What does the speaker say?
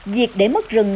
việc để mất rừng